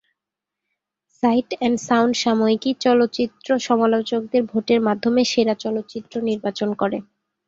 Site and Sound সাময়িকী চলচ্চিত্র সমালোচকদের ভোটের মাধ্যমে সেরা চলচ্চিত্র নির্বাচন করে।